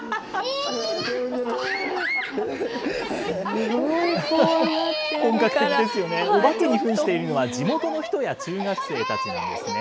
すごい、本格的ですよね、お化けにふんしているのは、地元の人や中学生たちなんですね。